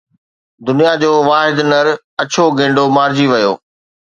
دنيا جو واحد نر اڇو گينڊو مارجي ويو